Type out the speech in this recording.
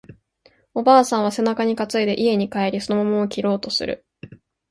おばあさんは背中に担いで家に帰り、その桃を切ろうとする